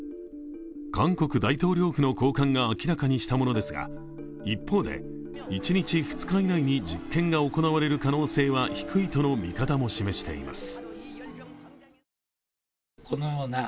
韓国大統領府の高官が明らかにしたものですが一方で、一日、二日以内に実験が行われる可能性は低いとの見方も示しています。